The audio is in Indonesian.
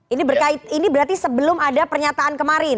ini berkait ini berarti sebelum ada pernyataan kemarin